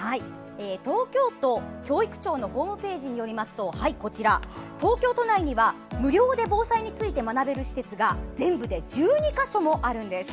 東京都教育庁のホームページによりますと都内には無料で防災について学べる施設が全部で１２か所もあるんです。